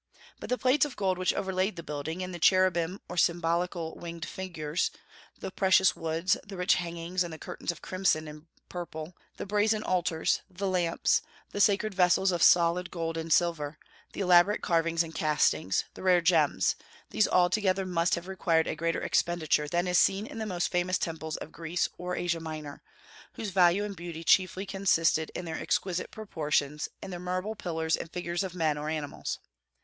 But the plates of gold which overlaid the building, and the cherubim or symbolical winged figures, the precious woods, the rich hangings and curtains of crimson and purple, the brazen altars, the lamps, the sacred vessels of solid gold and silver, the elaborate carvings and castings, the rare gems, these all together must have required a greater expenditure than is seen in the most famous temples of Greece or Asia Minor, whose value and beauty chiefly consisted in their exquisite proportions and their marble pillars and figures of men or animals.